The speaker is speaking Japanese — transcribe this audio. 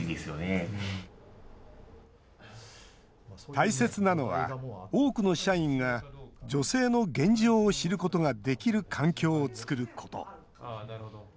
大切なのは、多くの社員が女性の現状を知ることができる環境を作ること。